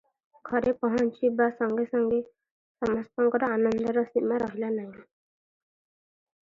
ଘରେ ପହଞ୍ଚିବା ସାଙ୍ଗେ ସାଙ୍ଗେ ସମସ୍ତଙ୍କର ଆନନ୍ଦର ସୀମା ରହିଲା ନାହିଁ ।